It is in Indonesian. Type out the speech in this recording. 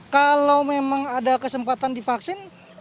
kalau memang ada kesempatan divaksin